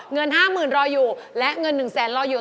เงิน๕๐๐๐๐บาทรออยู่